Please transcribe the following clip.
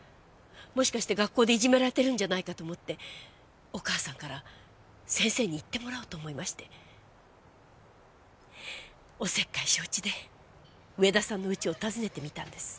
もしかして学校でいじめられてるんじゃないかと思ってお母さんから先生に言ってもらおうと思いましておせっかい承知で植田さんのうちを訪ねてみたんです。